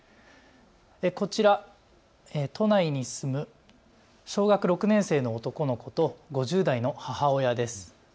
こちら、都内に住む小学６年生の男の子と５０代の母親です。